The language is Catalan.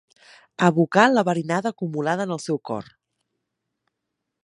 Abocà la verinada acumulada en el seu cor.